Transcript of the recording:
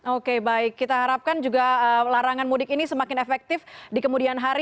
oke baik kita harapkan juga larangan mudik ini semakin efektif di kemudian hari